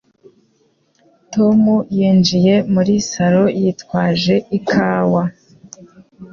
Tom yinjiye muri salo, yitwaje ikawa.